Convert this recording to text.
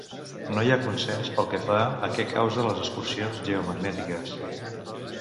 No hi ha consens pel que fa a què causa les excursions geomagnètiques.